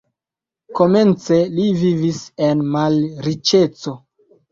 Komence li vivis en malriĉeco.